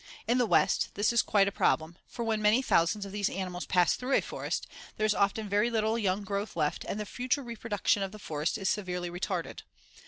In the West this is quite a problem, for, when many thousands of these animals pass through a forest (Fig. 134), there is often very little young growth left and the future reproduction of the forest is severely retarded.